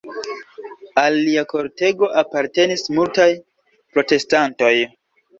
Al lia kortego apartenis multaj protestantoj.